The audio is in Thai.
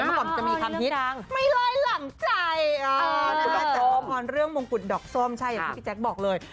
เมื่อก่อนมันจะมีคำฮิตไม่ร้ายหลังใจพอเรื่องมงกุฎดอกส้มอย่างที่พี่แจ๊คบอกเลย